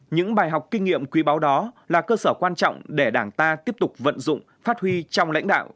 những bài học kinh nghiệm quý báo đó là cơ sở quan trọng để đảng ta tiếp tục vận dụng phát huy trong lãnh đạo